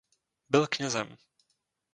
Byl knězem.